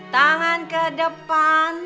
tangan ke depan